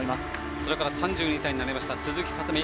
それから３２歳になった鈴木聡美。